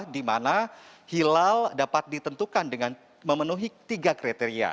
dimana hilal dapat ditentukan dengan memenuhi tiga kriteria